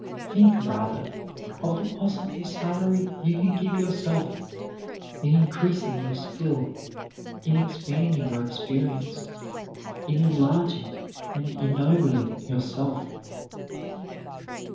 Think, rather, of the possible salary you can give yourself, in increasing your skill, in expanding your experience, in enlarging and ennobling yourself."